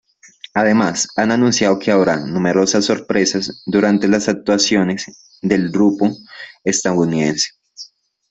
Además, han anunciado que habrá numerosas sorpresas durante las actuaciones del grupo estadounidense.